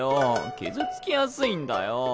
傷つきやすいんだよ。